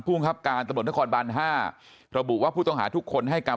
ผู้งคับการสมบัติตะครบาล๕ระบุว่าผู้ต้องหาทุกคนให้การ